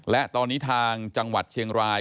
และตอนนี้ทางจังหวัดเชียงราย